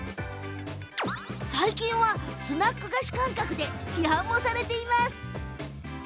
最近はスナック菓子感覚で市販もされています。